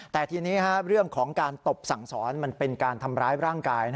แต่ทีนี้เรื่องของการตบสั่งสอนมันเป็นการทำร้ายร่างกาย